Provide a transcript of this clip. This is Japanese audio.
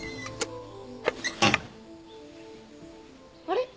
あれ？